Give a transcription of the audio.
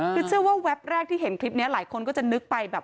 คือเชื่อว่าแวบแรกที่เห็นคลิปนี้หลายคนก็จะนึกไปแบบ